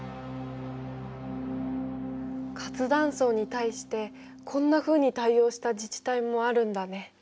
活断層に対してこんなふうに対応した自治体もあるんだね。